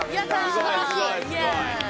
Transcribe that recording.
すばらしい。